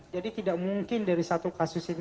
jadi tidak mungkin dari satu kasus ini